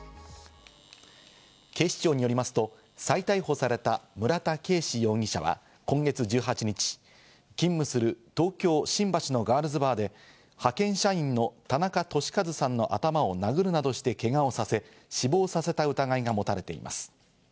警視庁によりますと、再逮捕された村田圭司容疑者は今月１８日、勤務する東京・新橋のガールズバーの店内で派遣社員の田中寿和さんの頭を殴るなどしてけがをさせ、死亡させた疑いが持たれています。